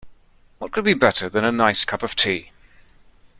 What could be better than a nice cup of tea?